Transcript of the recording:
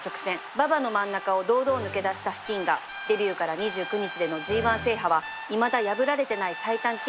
馬場の真ん中を堂々抜け出したスティンガーデビューから２９日での ＧⅠ 制覇はいまだ破られてない最短記録